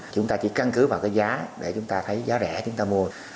chúng ta chỉ căn cứ vào cái giá để chúng ta thấy giá rẻ chúng ta mua